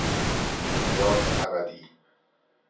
حیات ابدی